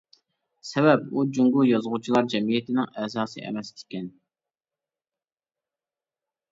سەۋەب، ئۇ جۇڭگو يازغۇچىلار جەمئىيىتىنىڭ ئەزاسى ئەمەس ئىكەن.